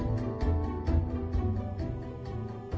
สวัสดีจ้า